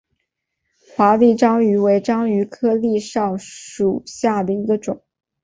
华丽章鱼为章鱼科丽蛸属下的一个种。